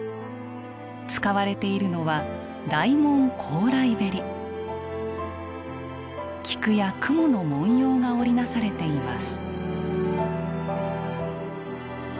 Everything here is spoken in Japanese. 使われているのは菊や雲の紋様が織り成されています。